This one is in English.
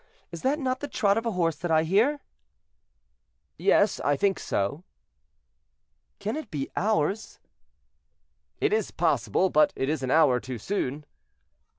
is that not the trot of a horse that I hear?" "Yes, I think so." "Can it be ours?" "It is possible; but it is an hour too soon."